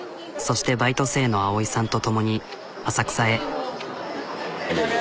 そしてバイト生の碧衣さんと共に浅草へ。